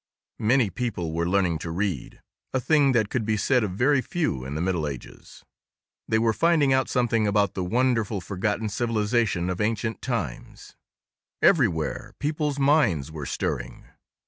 Many people were learning to read—a thing that could be said of very few in the Middle Ages. They were finding out something about the wonderful forgotten civilization of ancient times. Everywhere people's minds were stirring.